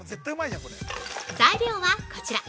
材料はこちら。